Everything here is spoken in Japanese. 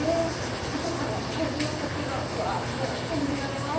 あとから大豆のコクがふわっと感じられます。